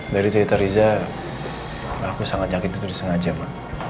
dari cerita riza aku sangat sakit itu disengaja ma